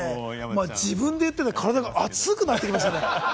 自分で言ってて、体が熱くなってきました。